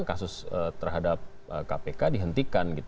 kasus terhadap kpk dihentikan